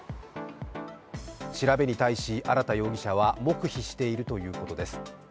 調べに対し、荒田容疑者は黙秘しているということです。